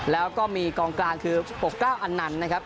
แล้วก็มีกองกลางคือปกเก้าอันนันต์นะครับ